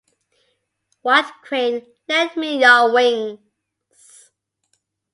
White crane lend me your wings.